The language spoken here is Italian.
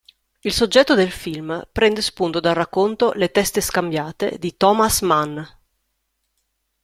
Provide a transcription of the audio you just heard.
Il soggetto del film prende spunto dal racconto "Le teste scambiate" di Thomas Mann.